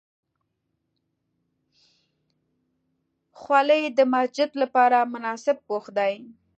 خولۍ د مسجد لپاره مناسب پوښ دی.